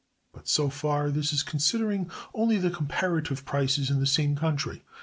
But, so far, this is considering only the comparative prices in the same country.